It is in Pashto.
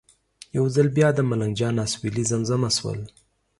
یو ځل بیا د ملنګ جان اسویلي زمزمه شول.